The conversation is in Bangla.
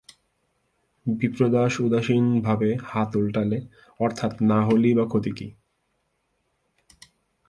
বিপ্রদাস উদাসীন ভাবে হাত ওলটালে, অর্থাৎ না হলেই বা ক্ষতি কী?